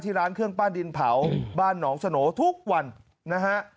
ร้านเครื่องปั้นดินเผาบ้านหนองสโหนทุกวันนะฮะ